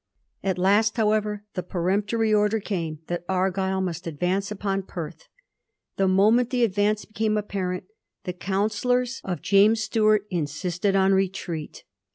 At last, however, the peremptory order came that Argyll must advance upon Perth. The moment the advance became apparent, the counsellors of James Stuart insisted on retreat.